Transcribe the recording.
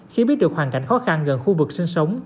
khi biết được hoàn cảnh khó khăn gần khu vực sinh sống